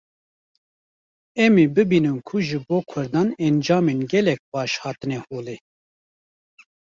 em ê bibînin ku ji bo Kurdan encamên gelek baş hatine holê